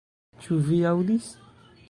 Ĉu vi aŭdis?